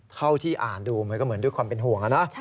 เท่าที่อ่านดูมันก็เหมือนด้วยความเป็นห่วงนะ